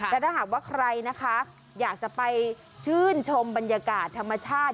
แต่ถ้าหากว่าใครนะคะอยากจะไปชื่นชมบรรยากาศธรรมชาติ